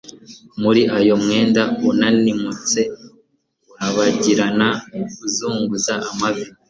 muri ayo mwenda unanimutse, urabagirana uzunguza amavi